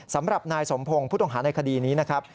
สำหรับนายสมพงศ์ผู้ต้องหาในคดีนี้นะครับ